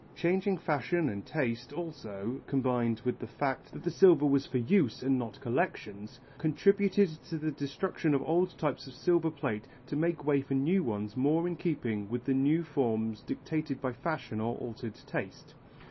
Changing fashion and taste also, combined with the fact that the silver was for use and not collections, contributed to the destruction of old types of silver plate to make way for new ones more in keeping with the new forms dictated by fashion or altered taste.